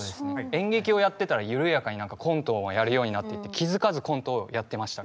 演劇をやってたら緩やかにコントもやるようになってって気付かずコントをやってました